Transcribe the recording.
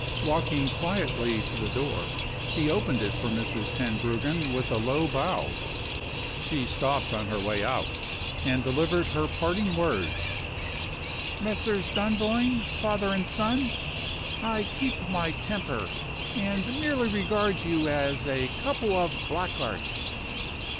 Walking quietly to the door, he opened it for Mrs. Tenbruggen with a low bow. She stopped on her way out, and delivered her parting words: "Messieurs Dunboyne, father and son, I keep my temper, and merely regard you as a couple of blackguards."